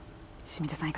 清水さん